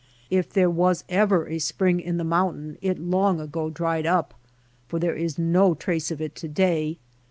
If there was ever a spring in the mountain it long ago dried np, for there is no trace of it to day.